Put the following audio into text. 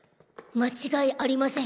間違いありません